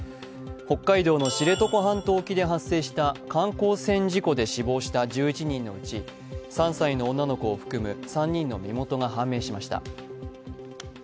北海道の知床半島沖で発生した観光船事故で死亡した１１人のうち３歳の女の子を含む３人の身元が判明しました。